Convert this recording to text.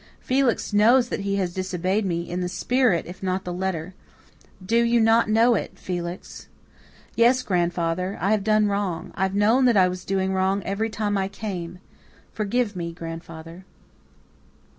Felix knows that he has disobeyed me, in the spirit if not in the letter. Do you not know it, Felix?" "Yes, grandfather, I have done wrong I've known that I was doing wrong every time I came. Forgive me, grandfather."